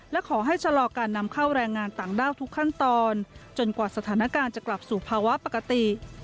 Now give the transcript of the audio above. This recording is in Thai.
และขอให้ชะลอการนำเข้าแรงงานต่างด้าวทุกขั้นตอนจนกว่าสถานการณ์จะกลับสู่ภาวะปกติ